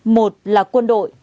một là quân đội